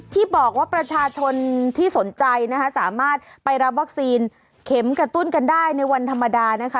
ที่บอกว่าประชาชนที่สนใจนะคะสามารถไปรับวัคซีนเข็มกระตุ้นกันได้ในวันธรรมดานะคะ